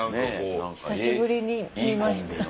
久しぶりに見ました。